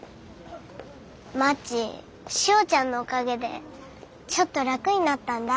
まちしおちゃんのおかげでちょっと楽になったんだ。